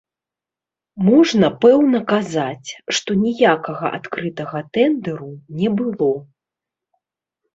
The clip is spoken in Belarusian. Можна пэўна казаць, што ніякага адкрытага тэндэру не было.